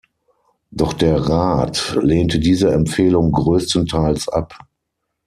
Doch der Rat lehnte diese Empfehlung größtenteils ab.